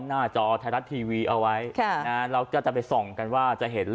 ถ้าก็ถูกล้านหนึ่งโปรดไป๓แสนไม่ได้